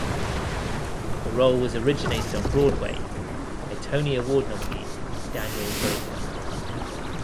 The role was originated on Broadway by Tony Award nominee Daniel Breaker.